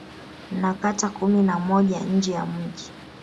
Na kata kumi na moja nje ya mji